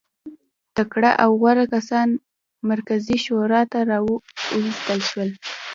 تکړه او غوره کسان مرکزي شورا ته راوستل شي.